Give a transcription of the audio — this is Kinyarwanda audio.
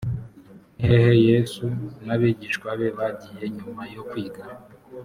ni hehe yesu n abigishwa be bagiye nyuma yo kwiga